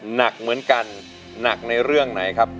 หนักเหมือนกันหนักในเรื่องไหนครับ